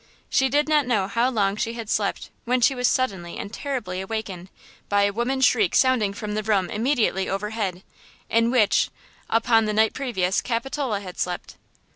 She did not know how long she had slept when she was suddenly and terribly awakened by a woman's shriek sounding from the room immediately overhead, in which, upon the night previous, Capitola had slept.